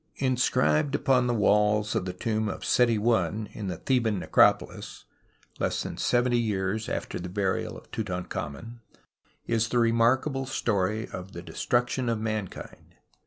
Inscribed upon the walls of the tomb of Seti I in the Theban necropolis — less than seventy years after the burial of Tutankhamen — is the remarkable story of the Destruction of Mankind.